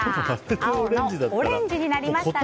青のオレンジになりましたが。